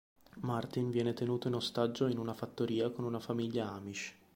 Martin viene tenuto in ostaggio in una fattoria con una famiglia Amish.